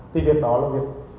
thì việc đó là việc